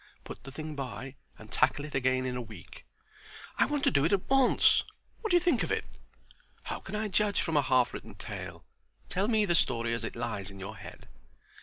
Put the thing by, and tackle it again in a week." "I want to do it at once. What do you think of it?" "How can I judge from a half written tale? Tell me the story as it lies in your head."